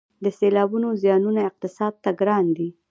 د سیلابونو زیانونه اقتصاد ته ګران دي